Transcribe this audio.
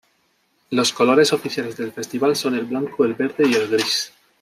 Los colores oficiales del festival son el blanco, el verde y el gris.